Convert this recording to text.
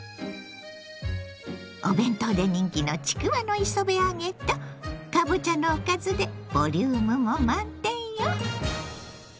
お弁当で人気のちくわの磯辺揚げとかぼちゃのおかずでボリュームも満点よ。